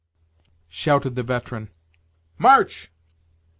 shouted the veteran; "march!"